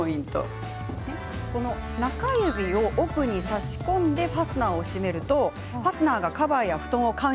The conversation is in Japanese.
中指を奥に差し込んで閉めるとファスナーがカバーや布団をかむ